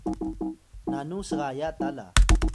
Takun: nanu sgaya ta la